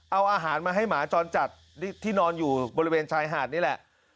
เอาอาหารมาให้หมาจรจัดที่นอนอยู่บริเวณชายหาดนี่แหละ